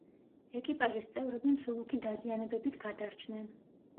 ეკიპაჟის წევრები მსუბუქი დაზიანებებით გადარჩნენ.